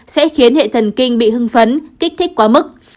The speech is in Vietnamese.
sẽ khiến hệ thần kinh bị hưng phấn kích thích quá mức